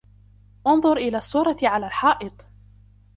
انظر إلى الصورة على الحائط.